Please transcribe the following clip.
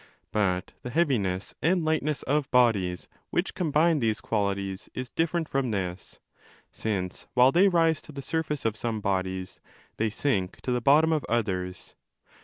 But the heaviness and light ness of bodies which combine these qualities is different from this, since while they rise to the surface of some bodies they sink to the bottom of others.